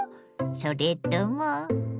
それとも。